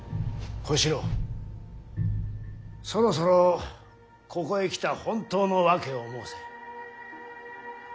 小四郎そろそろここへ来た本当の訳を申せ。